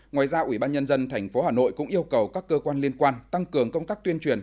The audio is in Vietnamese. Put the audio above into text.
ngoài ra ubnd tp hcm cũng yêu cầu các cơ quan liên quan tăng cường công tác tuyên truyền